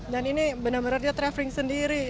dan ini bener bener dia traveling sendiri